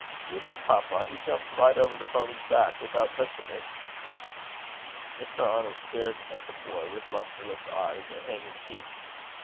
Do you know, papa, he jumped right over the pony's back without touching it." Mr. Arnold stared at the boy with lustreless eyes and hanging checks.